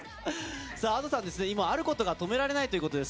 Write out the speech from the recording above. Ａｄｏさん、今あることが止められないということです。